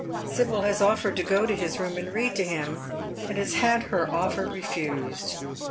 Sibyl has ofEered to go to his room and read to him, and has had her ofEer refused.